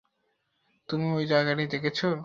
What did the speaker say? তুমি ওই জায়গাটি দেখেছো?